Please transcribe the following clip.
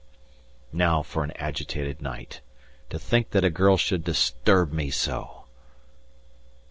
Now for an agitated night! To think that a girl should disturb me so!